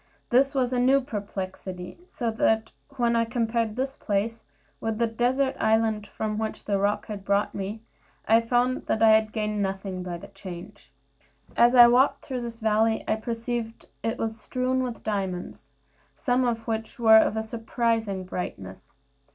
This was a new perplexity; so that when I compared this place with the desert island from which the roc had brought me, I found that I had gained nothing by the change. As I walked through this valley, I perceived it was strewn with diamonds, some of which were of a surprising bigness.